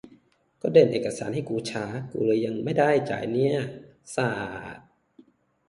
ก็เดินเอกสารให้กุช้า กุเลยยังไม่ได้จ่ายเนี่ย สาด